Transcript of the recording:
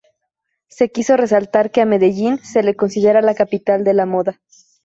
Se quiso resaltar que a Medellín se le considera la capital de la moda.